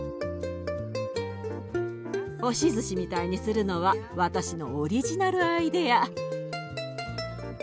押しずしみたいにするのは私のオリジナルアイデア。